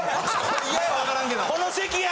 この席や！